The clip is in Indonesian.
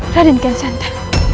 raden kian santa